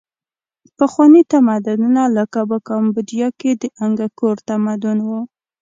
پخواني تمدنونه لکه په کامبودیا کې د انګکور تمدن و.